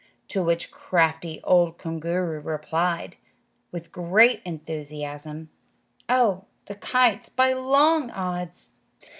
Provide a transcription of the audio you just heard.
To which crafty old Koongooroo replied, with great enthusiasm, "Oh, the kites, by long odds!"